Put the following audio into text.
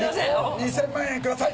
２０００万円ください！